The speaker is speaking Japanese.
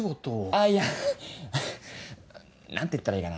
あぁいや何て言ったらいいかな。